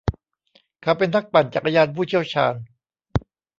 เขาเป็นนักปั่นจักรยานผู้เชี่ยวชาญ